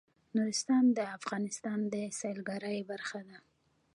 نورستان د افغانستان د سیلګرۍ برخه ده.